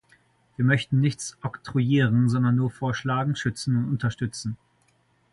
Wir möchten nichts oktroyieren, sondern nur vorschlagen, schützen und unterstützen.